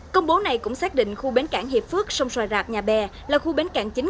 công bố này cũng xác định khu bến cảng hiệp phước sông xoài rạp nhà bè là khu bến cảng chính